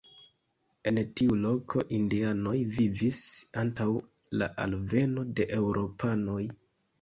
En tiu loko indianoj vivis antaŭ la alveno de eŭropanoj.